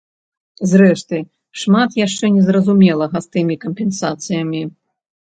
Зрэшты, шмат яшчэ незразумелага з тымі кампенсацыямі.